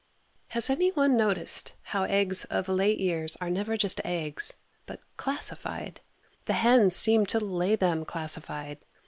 Has anyone noticed how eggs of late years are never just eggs, but classified? The hens seem to lay them classified.